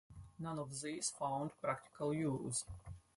None of these found practical use.